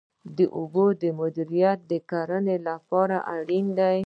د اوبو مدیریت د کرنې لپاره اړین دی